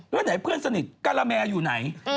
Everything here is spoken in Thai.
แล้วไหนเพื่อนสนิทการาแมอยู่ไหน